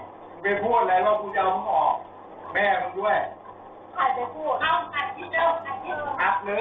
อัดไปพูดอัดเลยอัดเลยโอ๊ยอะไรนะพี่เป็นแบบนี้